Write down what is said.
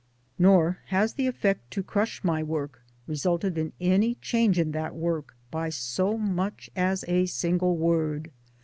Nor has the effort to crush my work resulted in any change in that work by so much as a single word.